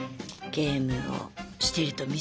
ゲームをしてると見せかけて。